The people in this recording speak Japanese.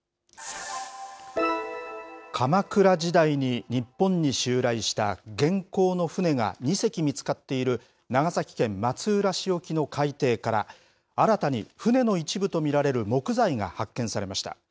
鎌倉時代に日本に襲来した元寇の船が２隻見つかっている長崎県松浦市沖の海底から、新たに船の一部と見られる木材が発見されました。